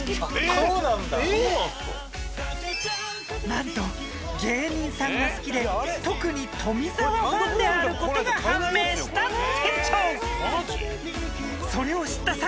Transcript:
［何と芸人さんが好きで特に富澤ファンであることが判明した店長］